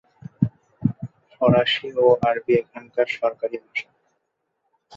ফরাসি ও আরবি এখানকার সরকারি ভাষা।